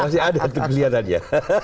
masih ada antre belia tadi ya